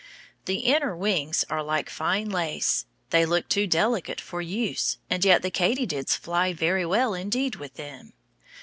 The inner wings are like fine lace. They look too delicate for use, and yet the katydid flies very well indeed with them.